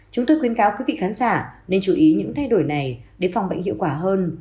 chúng tôi khuyến cáo quý vị khán giả nên chú ý những thay đổi này để phòng bệnh hiệu quả hơn